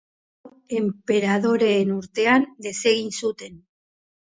Lau enperadoreen urtean desegin zuten.